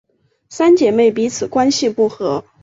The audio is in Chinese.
三姐妹彼此关系不和。